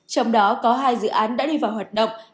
trong đó có hai dự án đã đi vào hoạt động